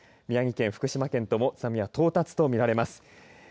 宮城県、福島県とも津波は到達とみられます。